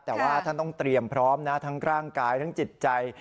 แต่ว่าท่านต้องเตรียมพร้อมนะทั้งร่างกายทั้งจิตใจ